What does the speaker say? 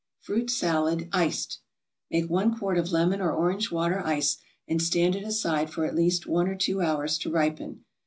FRUIT SALAD, ICED Make one quart of lemon or orange water ice and stand it aside for at least one or two hours to ripen.